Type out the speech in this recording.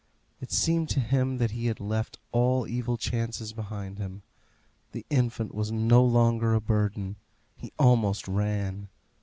It seemed to him that he had left all evil chances behind him. The infant was no longer a burden. He almost ran.